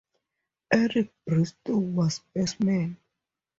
Eric Bristow was best man.